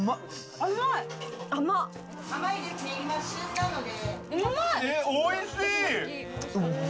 甘いですね、今旬なので。